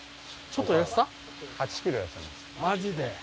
マジで？